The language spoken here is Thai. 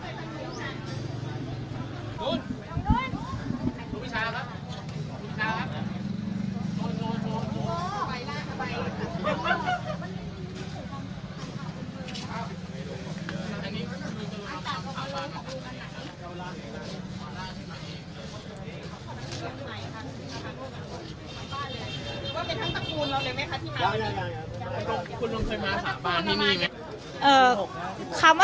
่ีบ่วงครับ